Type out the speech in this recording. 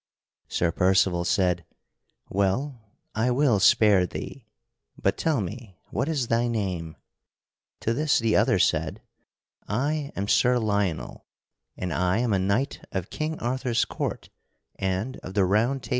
Sir Percival said: "Well, I will spare thee, but tell me, what is thy name?" To this the other said: "I am Sir Lionel, and I am a knight of King Arthur's court and of the Round Table."